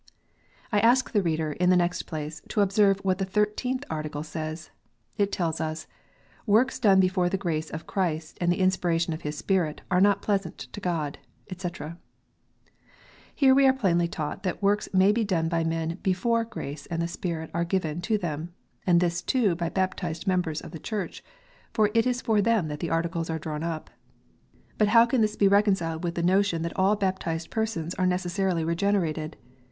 I ask the reader, in the next place, to observe what the Thirteenth Article says. It tells us that " Works done before the grace of Christ and the inspiration of His Spirit are not pleasant to God," etc. Here we are plainly taught that works may be done by men before grace and the Spirit are given to them, and this too by baptized members of the Church, for it is for them tli.it the Articles are drawn up ! But how can this be reconciled with the notion that all baptized persons are neces sarily regenerated